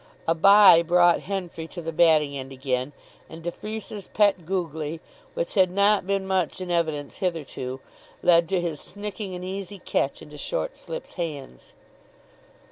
A bye brought Henfrey to the batting end again, and de Freece's pet googly, which had not been much in evidence hitherto, led to his snicking an easy catch into short slip's hands.